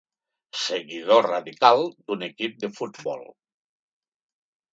Seguidor radical d'un equip de futbol.